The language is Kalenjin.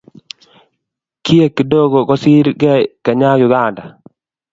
kiek kidogo kosir kei kenya ka uganda